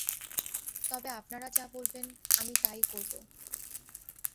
তবে আপনারা যা বলবেন-আমি তা-ই করব।